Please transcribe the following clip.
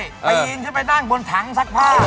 ปีนขึ้นไปนั่งบนถังซักผ้า